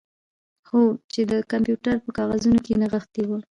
هو چې د کمپیوټر په کاغذونو کې نغښتې وه